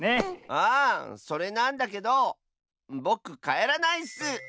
あそれなんだけどぼくかえらないッス！